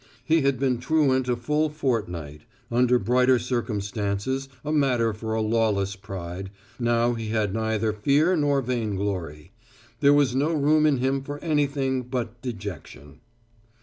He had been truant a full fortnight, under brighter circumstances a matter for a lawless pride now he had neither fear nor vainglory. There was no room in him for anything but dejection.